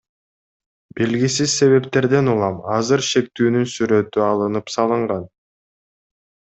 Белгисиз себептерден улам азыр шектүүнүн сүрөтү алынып салынган.